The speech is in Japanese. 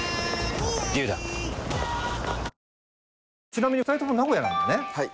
ちなみに２人とも名古屋なんだね？